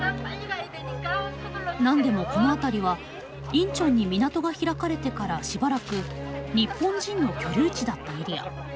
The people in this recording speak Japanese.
何でもこの辺りはインチョンに港が開かれてからしばらく日本人の居留地だったエリア。